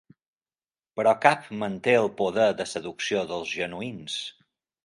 Però cap manté el poder de seducció dels genuïns.